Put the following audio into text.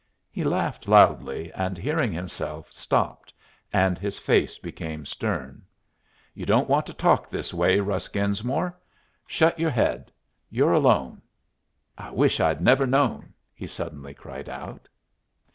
He laughed loudly, and, hearing himself, stopped, and his face became stern. "You don't want to talk this way, Russ Genesmere. Shut your head. You're alone. I wish I'd never known!" he suddenly cried out.